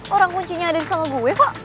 orang kuncinya ada di tengah gue kok